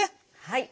はい。